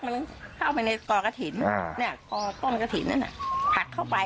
มันเข้าไปในตอนกะถิ่นตอนกะถิ่นนั่นผลักเข้าไป